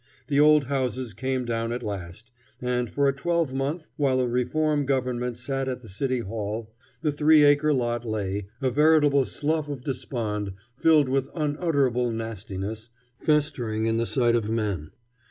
The old houses came down at last, and for a twelvemonth, while a reform government sat at the City Hall, the three acre lot lay, a veritable slough of despond filled with unutterable nastiness, festering in the sight of men.